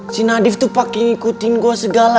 si nadif tuh paking ikutin gue segala